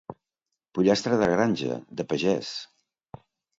Pollastre de granja, de pagès.